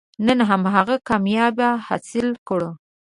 نن هماغه کامیابي حاصله کړو.